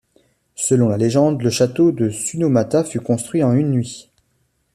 Selon la légende, le château de Sunomata fut construit en une nuit.